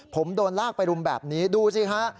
ผมโดนลากไปรุมแบบนี้ดูสิฮะ